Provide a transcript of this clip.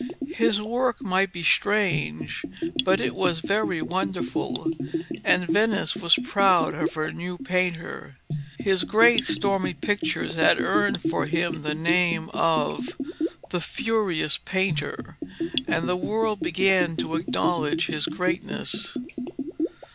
His work might be strange but it was very wonderful, and Venice was proud of her new painter. His great stormy pictures had earned for him the name off 'the furious painter,' and the world began to acknowledge his greatness.